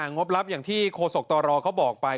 งบรับอย่างที่โฆษกตรเขาบอกไป